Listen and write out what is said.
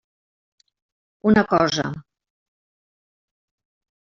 Una cosa.